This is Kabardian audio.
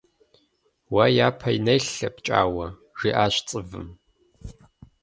Уэ япэ нелъэ, ПкӀауэ, - жиӀащ ЦӀывым.